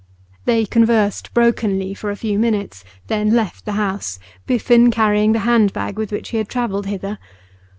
They conversed brokenly for a few minutes, then left the house, Biffen carrying the hand bag with which he had travelled hither.